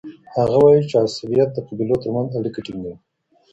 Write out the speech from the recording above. هغه وایي چي عصبيت د قبیلو ترمنځ اړیکه ټینګوي.